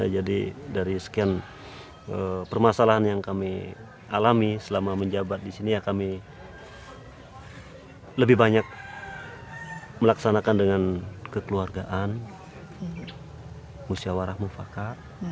jadi dari sekian permasalahan yang kami alami selama menjabat di sini ya kami lebih banyak melaksanakan dengan kekeluargaan musyawarah mufakat